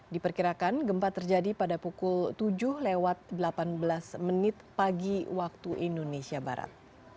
diperkirakan gempa terjadi pada pukul tujuh lewat delapan belas menit pagi waktu indonesia barat